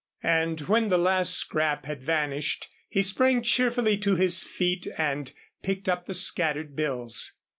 And when the last scrap had vanished, he sprang cheerfully to his feet and picked up the scattered bills.